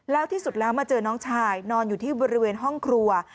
แล้วที่สุดแล้วมาเจอน้องชายนอนอยู่ที่บริเวณห้องครัว